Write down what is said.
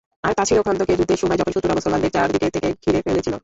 আর তা ছিল খন্দকের যুদ্ধের সময়, যখন শত্রুরা মুসলমানদেরকে চারদিক থেকে ঘিরে ফেলেছিল।